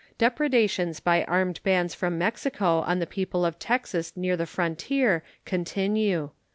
Depredations by armed bands from Mexico on the people of Texas near the frontier continue.